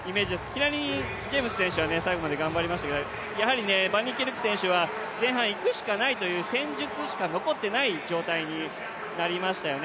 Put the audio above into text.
キラニ・ジェームス選手は最後まで頑張りましたけどやはりバンニーキルク選手は、前半いくしかないという戦術しか残っていない状態になりましたよね。